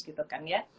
gitu kan ya